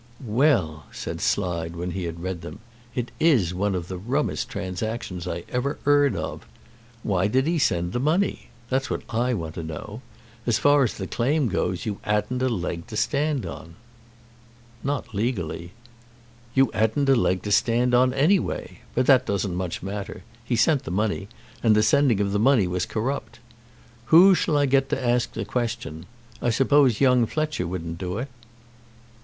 "Well," said Slide, when he had read them; "it is one of the rummest transactions I ever 'eard of. Why did 'e send the money? That's what I want to know. As far as the claim goes, you 'adn't a leg to stand on." "Not legally." "You 'adn't a leg to stand on any way. But that doesn't much matter. He sent the money, and the sending of the money was corrupt. Who shall I get to ask the question? I suppose young Fletcher wouldn't do it?"